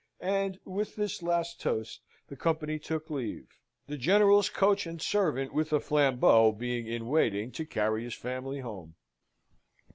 And, with this last toast, the company took leave; the General's coach and servant, with a flambeau, being in waiting to carry his family home.